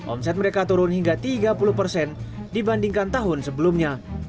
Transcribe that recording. omset mereka turun hingga tiga puluh persen dibandingkan tahun sebelumnya